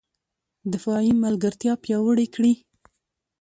دفاعي ملګرتیا پیاوړې کړي